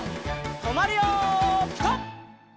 とまるよピタ！